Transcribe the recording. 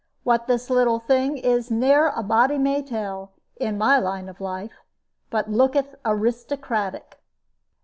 What this little thing is ne'er a body may tell, in my line of life but look'th aristocratic."